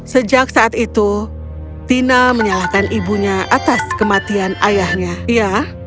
sejak saat itu tina menyalahkan ibunya atas kematian ayahnya ya